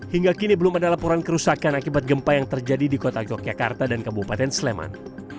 hingga kini belum ada laporan kerusakan akibat gempa yang terjadi di kota yogyakarta dan kabupaten sleman